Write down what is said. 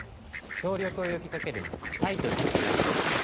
協力を呼びかける「タイトルと依頼文」。